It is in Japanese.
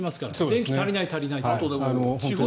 電気足りない足りないって。